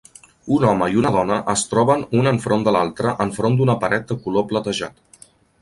Un home i una dona es troben un enfront de l'altre enfront d'una paret de color platejat.